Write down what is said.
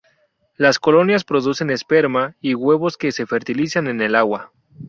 Las colonias producen esperma y huevos que se fertilizan en el agua.